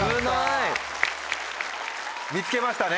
見つけましたね。